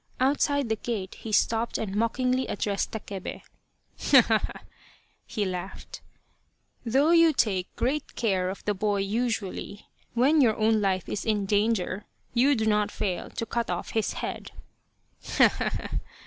Outside the gate he stopped and mockingly addressed Takebe :" Ha, ha, ha !" he laughed, " though you take great care of the boy usually, when your own life is in danger you do not fail to cut off his head